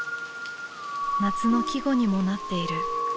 夏の季語にもなっている。